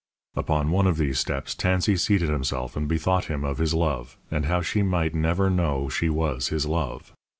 Upon one of these steps Tansey seated himself and bethought him of his love, and how she might never know she was his love.